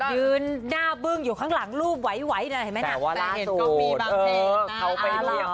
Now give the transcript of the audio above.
ยืนหน้าเบื้องอยู่ข้างหลังรูปไวแต่ว่าล่าสูตร